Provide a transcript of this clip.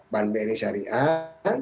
bank bri syariah